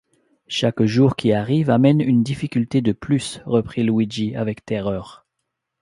Chaque jour qui arrive amène une difficulté de plus, reprit Luigi avec terreur.